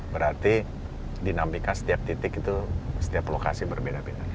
berarti dinamika setiap titik itu setiap lokasi berbeda beda